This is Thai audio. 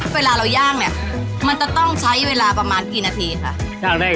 เวลาเราย่างเพื่อนี้ต้องใช้เวลากี่นาที